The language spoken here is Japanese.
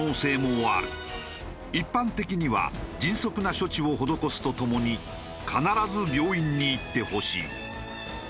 一般的には迅速な処置を施すとともに必ず病院に行ってほしい。